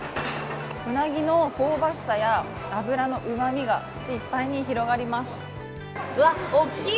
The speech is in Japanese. うなぎの香ばしさや脂のうまみが口いっぱいに広がります。